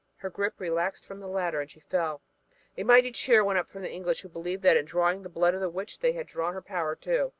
Her grip relaxed from the ladder and she fell. A mighty cheer went up from the English who believed that in drawing the blood of the witch they had drawn her power too.